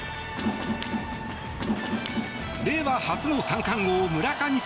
令和初の三冠王、村神様